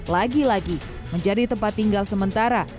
lagi lagi menjadi tempat tinggal sementara